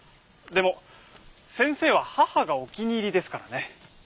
でも先生は母がお気に入りですからね。